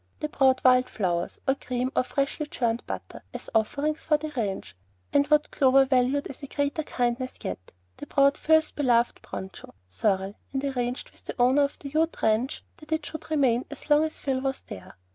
They brought wild flowers, or cream, or freshly churned butter, as offerings from the ranch; and, what Clover valued as a greater kindness yet, they brought Phil's beloved broncho, Sorrel, and arranged with the owner of the Ute ranch that it should remain as long as Phil was there.